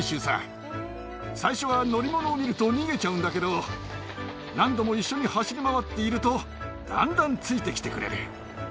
最初は乗り物を見ると逃げちゃうんだけど何度も一緒に走り回っているとだんだんついて来てくれる。